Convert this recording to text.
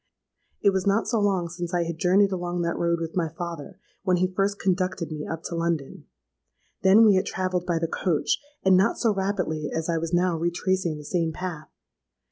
It was not so long since I had journeyed along that road with my father—when he first conducted me up to London. Then we had travelled by the coach, and not so rapidly as I was now retracing the same path.